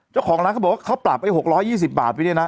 เจ้าของร้านเขาบอกว่าเขาปรับไอ้๖๒๐บาทไปเนี่ยนะ